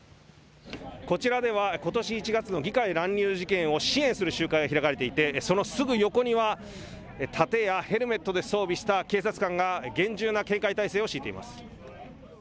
こちらでは、ことし１月の議会乱入事件を支援する集会が開かれていて、そのすぐ横には、盾やヘルメットで装備した警察官が厳重な警戒態勢を敷いています。